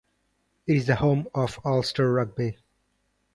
It is the home of Ulster Rugby.